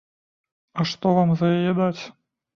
А што вам за яе даць?